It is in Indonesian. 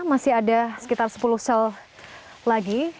masih ada sekitar sepuluh sel lagi